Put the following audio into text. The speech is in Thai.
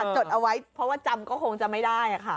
จดเอาไว้เพราะว่าจำก็คงจะไม่ได้ค่ะ